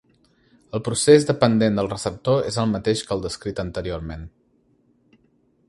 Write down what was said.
El procés dependent del receptor és el mateix que el descrit anteriorment.